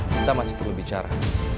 kita masih perlu bicara